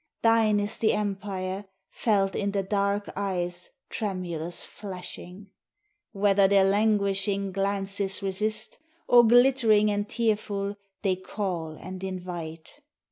Thine is the empire Felt in the dark eyes' Tremulous flashing, Whether their languishing Glances resist, or Glittering and tearful, they Call and invite.